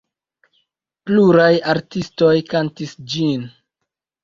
Pluraj artistoj kantis ĝin.